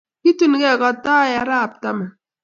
Kitunigei kogatoi arap taman